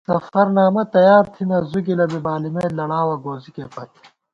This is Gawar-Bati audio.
سفرنامہ تیار تھنہ، زُو گِلہ بی بالِمېت لڑاوَہ گوزِکےپت